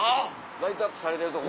ライトアップされてるとこ。